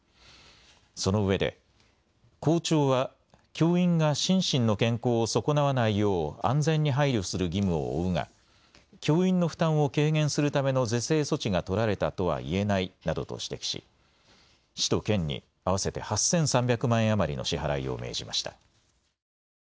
そのうえで校長は教員が心身の健康を損なわないよう安全に配慮する義務を負うが教員の負担を軽減するための是正措置が取られたとはいえないなどと指摘し市と県に合わせて８３００万円余りの支払いを命じました。